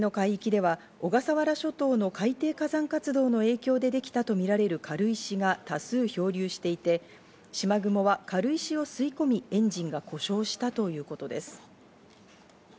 周辺の海域では小笠原諸島の海底火山活動の影響でできたとみられる軽石が多数漂流していて、「しまぐも」は軽石を吸い込みエンジンが故障したということです。